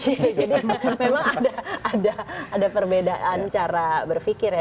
jadi memang ada perbedaan cara berpikir ya